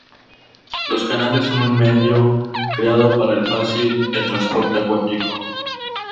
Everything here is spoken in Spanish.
Los canales son un medio creado para el fácil el transporte acuático.